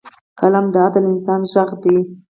قلم د عادل انسان غږ دی